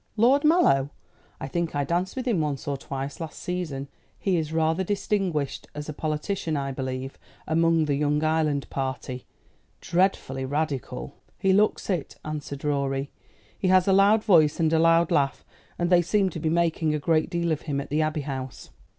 "Lord Mallow! I think I danced with him once or twice last season. He is rather distinguished as a politician, I believe, among the young Ireland party. Dreadfully radical." "He looks it," answered Rorie. "He has a loud voice and a loud laugh, and they seem to be making a great deal of him at the Abbey House."